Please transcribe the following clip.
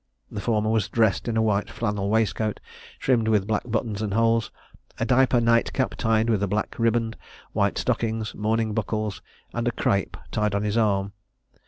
The former was dressed in a white flannel waistcoat trimmed with black buttons and holes, a diaper night cap tied with a black riband, white stockings, mourning buckles, and a crape tied on his arm.